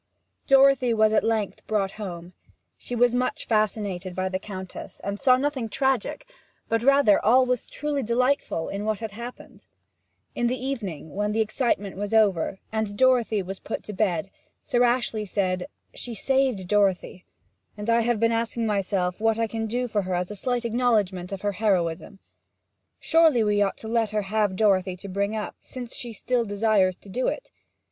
Dorothy was at length brought home; she was much fascinated by the Countess, and saw nothing tragic, but rather all that was truly delightful, in what had happened. In the evening, when the excitement was over, and Dorothy was put to bed, Sir Ashley said, 'She has saved Dorothy; and I have been asking myself what I can do for her as a slight acknowledgment of her heroism. Surely we ought to let her have Dorothy to bring up, since she still desires to do it?